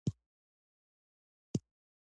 آیا ارزانه بریښنا د صنعت لپاره ښه نه ده؟